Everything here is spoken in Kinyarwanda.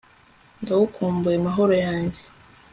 ndagukumbuye, mahoro yanjye